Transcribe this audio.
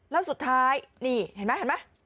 แล้วสุดท้ายนี่เห็นไหม